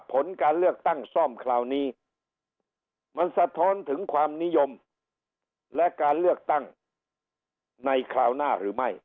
ผลการเลือกตั้งซ่อมคราวนี้มันสะท้อนถึงความนิยมและการเลือกตั้งในคราวหน้าหรือไม่